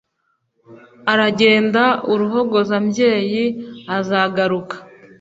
aragenda uruhogozambyeyi azgaruka